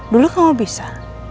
dulu kamu bisa